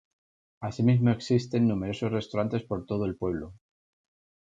Asimismo, existen numerosos restaurantes por todo el pueblo.